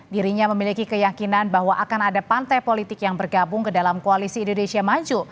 dirinya memiliki keyakinan bahwa akan ada partai politik yang bergabung ke dalam koalisi indonesia maju